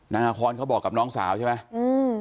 นาคอนเขาบอกกับน้องสาวใช่ไหมอืม